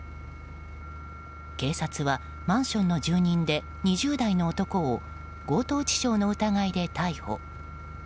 警察はマンションの住人で２０代の男を強盗致傷の疑いで逮捕。